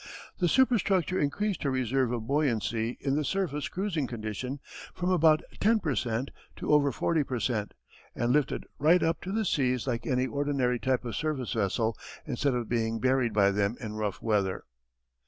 The superstructure increased her reserve of buoyancy in the surface cruising condition from about 10 per cent. to over 40 per cent. and lifted right up to the seas like any ordinary type of surface vessel, instead of being buried by them in rough weather.